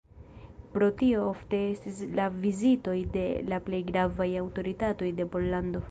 Pro tio ofte estis la vizitoj de la plej gravaj aŭtoritatoj de Pollando.